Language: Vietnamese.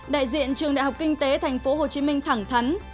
đại diện trường đại học kinh tế tp hcm thẳng thắn